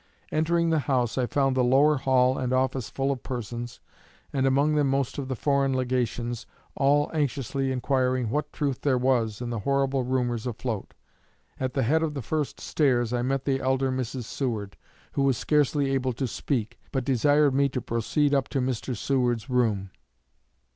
Entering the house, I found the lower hall and office full of persons, and among them most of the foreign legations, all anxiously inquiring what truth there was in the horrible rumors afloat.... At the head of the first stairs I met the elder Mrs. Seward, who was scarcely able to speak, but desired me to proceed up to Mr. Seward's room....